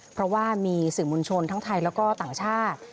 เพราะว่ามีสื่อมวลชนทั้งไทยแล้วก็ต่างชาติ